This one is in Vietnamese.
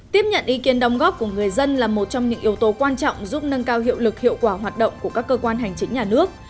tiếp nhận ý kiến đồng góp của người dân là một trong những yếu tố quan trọng giúp nâng cao hiệu lực hiệu quả hoạt động của các cơ quan hành chính nhà nước